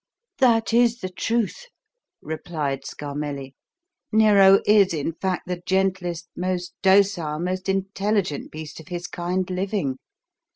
"That is the truth," replied Scarmelli; "Nero is, in fact, the gentlest, most docile, most intelligent beast of his kind living.